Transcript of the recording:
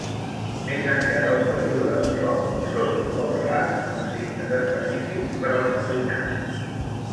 Més enllà del període Barroc són molt rars els signes específics per als trinats.